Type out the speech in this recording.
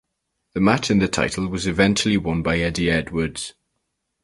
The match and the title was eventually won by Eddie Edwards.